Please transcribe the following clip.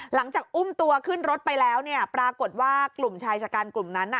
หลังจากอุ้มตัวขึ้นรถไปแล้วเนี่ยปรากฏว่ากลุ่มชายชะกันกลุ่มนั้นน่ะ